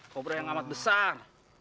kobra yang amat besar